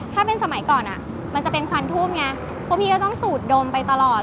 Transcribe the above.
ถ้าเป็นสมัยก่อนมันจะเป็นควันทุ่มไงพวกพี่ก็ต้องสูดดมไปตลอด